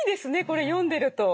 これ読んでると。